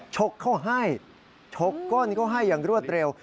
ชกเขาให้ชกก้นเขาให้อย่างรวดเร็ว